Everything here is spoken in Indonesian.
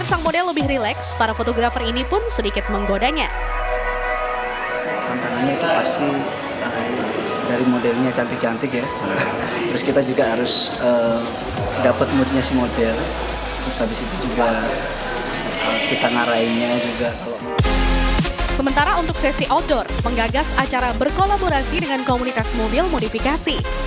sementara untuk sesi outdoor penggagas acara berkolaborasi dengan komunitas mobil modifikasi